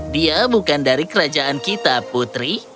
dia bukan dari kerajaan kita putri